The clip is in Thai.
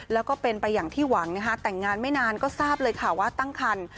แล้วก็เป็นไปอย่างที่หวังนะคะแต่งงานไม่นานก็ทราบเลยค่ะว่าตั้งคัน